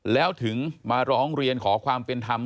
แล้วถึงมาร้องเรียนขอความเป็นธรรม